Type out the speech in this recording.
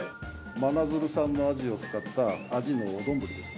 真鶴産の鯵を使った鯵のお丼ですね。